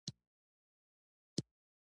دښتې د افغانستان د جغرافیایي موقیعت پایله ده.